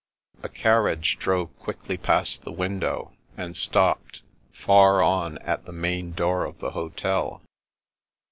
A carriage, drove quickly past the window, and stopped, far on at the main door of the hotel.